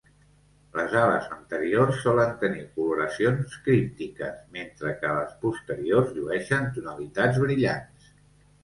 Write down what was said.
Les ales anteriors solen tenir coloracions críptiques, mentre que a les posteriors llueixen tonalitats brillants.